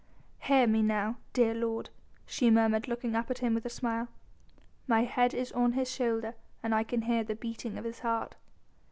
"Near me now, dear Lord," she murmured looking up at him with a smile; "my head is on his shoulder and I can hear the beating of his heart."